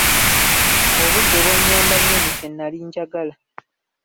Obudde bwannyamba nnyo mu kye nali njagala.